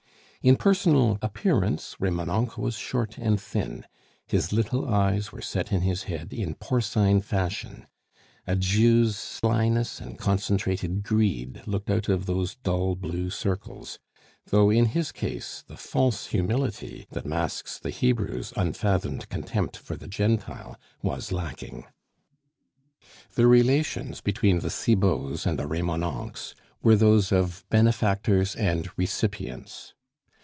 In personal appearance Remonencq was short and thin; his little eyes were set in his head in porcine fashion; a Jew's slyness and concentrated greed looked out of those dull blue circles, though in his case the false humility that masks the Hebrew's unfathomed contempt for the Gentile was lacking. The relations between the Cibots and the Remonencqs were those of benefactors and recipients.